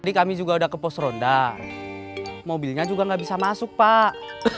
tadi kami juga udah ke pos ronda mobilnya juga nggak bisa masuk pak